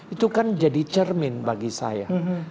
itu kan jadi cermin bagi saya